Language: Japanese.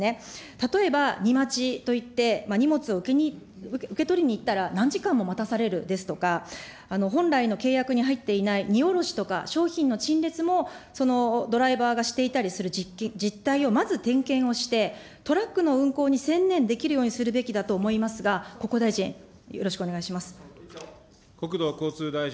例えば、荷待ちといって、荷物を受け取りに行ったら、何時間も待たされるですとか、本来の契約に入っていない荷降ろしとか、商品の陳列もドライバーがしていたりする実態をまず、点検をして、トラックの運行に専念できるようにするべきだと思いますが、国交大臣、よろしくお願いします。